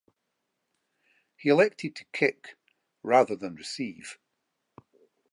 He elected to kick, rather than receive.